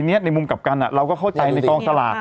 เราก็เข้าใจในกล้องสลาด